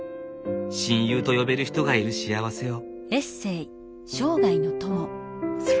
親友と呼べる人がいる幸せを。